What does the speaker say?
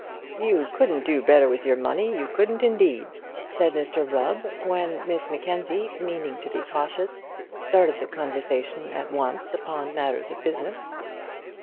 "You couldn't do better with your money, you couldn't indeed," said Mr Rubb, when Miss Mackenzie, meaning to be cautious, started the conversation at once upon matters of business.